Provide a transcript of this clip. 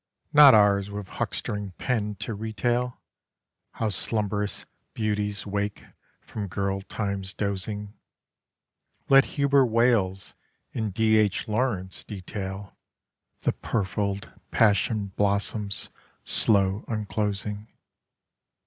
not ours with huckstering pen to retail How slumb'rous beauties wake from girl time's dozing. Let Hubert Wales and D. H. Lawrence detail The purfled passion blossom's slow unclosing.